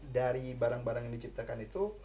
dari barang barang yang diciptakan itu